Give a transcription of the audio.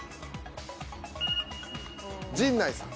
陣内さん。